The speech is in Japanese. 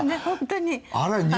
本当に。